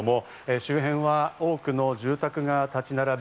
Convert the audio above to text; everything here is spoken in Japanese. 周辺は多くの住宅が立ち並ぶ